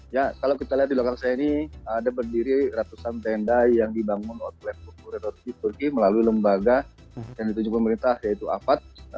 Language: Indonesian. ya kalau kita lihat di lokasi ini ada berdiri ratusan tenda yang dibangun oleh pukul tiga sore di turki melalui lembaga yang ditunjukkan oleh pemerintah yaitu afad